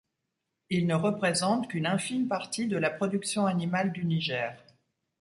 Il ne représente qu’une infime partie de la production animale du Niger.